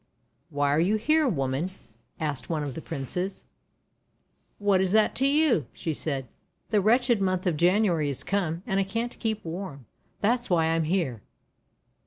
"Why are you here, Woman?' asked one of the Princes. "What is that to you?" said she. "The wretched Month of January is come, and I can't keep warm; that's why I'm here!'